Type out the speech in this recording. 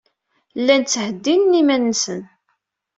Llan ttheddinen iman-nsen.